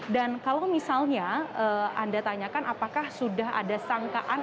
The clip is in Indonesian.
dan kalau misalnya anda tanyakan apakah sudah ada sangkaan